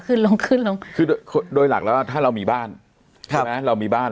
ลงขึ้นลงคือโดยโดยหลักแล้วถ้าเรามีบ้านใช่ไหมเรามีบ้าน